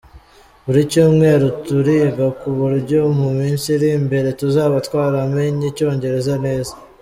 Buri cyumweru turiga ku buryo mu minsi iri imbere tuzaba twaramenye Icyongereza neza.